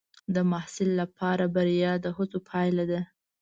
د محصل لپاره بریا د هڅو پایله ده.